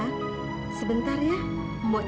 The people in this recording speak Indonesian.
aku juga haus sih mbak